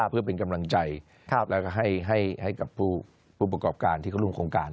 เพื่อเป็นกำลังใจแล้วก็ให้กับผู้ประกอบการที่เขาร่วมโครงการ